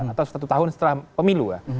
atau satu tahun setelah pemilu ya